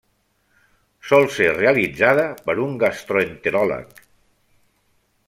Sol ser realitzada per un gastroenteròleg.